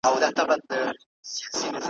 امریکا ته راوستل سوي وه `